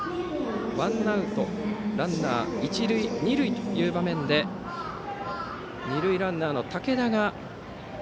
ワンアウトランナー、一塁二塁という場面で二塁ランナーの武田が。